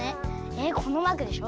えっこのマークでしょ？